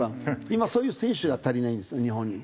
今そういう選手が足りないんです日本に。